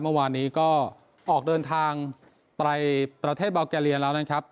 เมื่อวานนี้ก็ออกเดินทางไปประเทศเบาแกเลียแล้วนะครับ